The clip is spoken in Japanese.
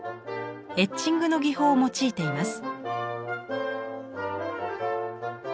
エッチングの技法を用いています。